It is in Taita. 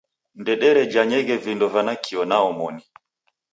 Ndederejanyeghe vindo va nakio na omoni.